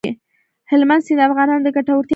هلمند سیند د افغانانو د ګټورتیا برخه ده.